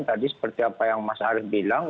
tadi seperti apa yang mas arief bilang